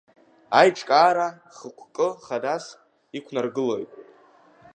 Аиҿкаара хықәкы хадас иқәнаргылоит…